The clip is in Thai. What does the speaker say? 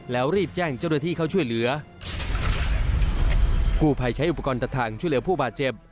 แล้วรีบแจ้งเจ้าหน้าที่เข้าช่วยเหลือกู้ภัยใช้อุปกรณ์ตัดทางช่วยเหลือผู้บาดเจ็บ